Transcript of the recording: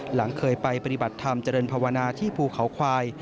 หลังเคยไปปฏิบัติธรรมเจริญภาวนาที่ภูเขาควาย